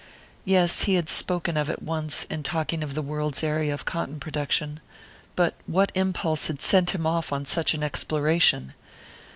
Yes, he had spoken of it once in talking of the world's area of cotton production. But what impulse had sent him off on such an exploration?